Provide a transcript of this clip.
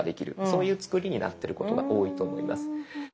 そういう作りになってることが多いと思います。